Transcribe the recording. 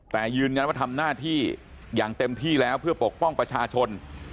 แต่ยืนยันว่าทำหน้าที่อย่างเต็มที่แล้วเพื่อปกป้องประชาชน